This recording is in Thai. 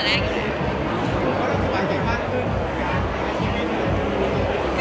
มึงก็สวัสดีค่ะ